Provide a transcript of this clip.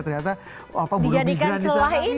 ternyata apa burung migran di sana ini